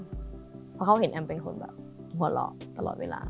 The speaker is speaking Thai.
เพราะเขาเห็นแอมเป็นคนแบบหัวเราะตลอดเวลา